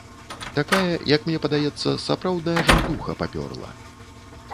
Такая, як мне падаецца, сапраўдная жаўтуха папёрла.